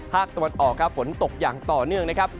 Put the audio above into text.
ตะวันออกครับฝนตกอย่างต่อเนื่องนะครับ